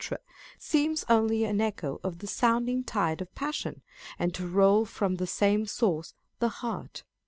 seems only an echo of the sounding tide of passion, and to roll from the same source, the heart.